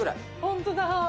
ホントだ。